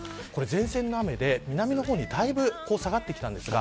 前線の雨で、南の方にだいぶ下がってきたんですが